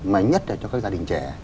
máy nhất là cho các gia đình trẻ